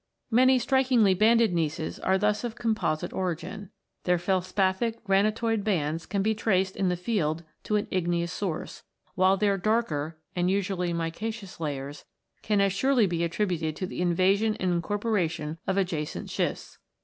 Many strikingly banded gneisses are thus of composite origin. Their felspathic granitoid bands can be traced in the field to an igneous source, Avhile their darker and usually micaceous layers can as surely be attributed to the invasion and incorporation of adjacent schists (Fig.